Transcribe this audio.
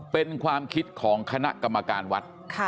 เป็นความคิดของคณะกรรมการวัด